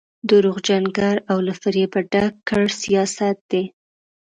درواغجن ګړ او له فرېبه ډک کړ سیاست دی.